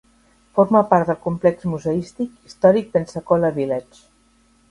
Forma part del complex museístic "Historic Pensacola Village".